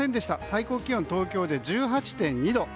最高気温、東京で１８．２度。